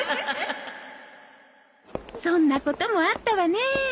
そんなこともあったわね。